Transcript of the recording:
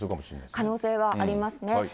可能性はありますね。